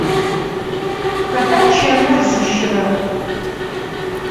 Xeta çemır zışırer?